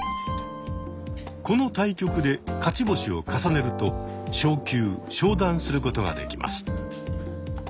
この対局で勝ち星を重ねると昇級昇段することができます。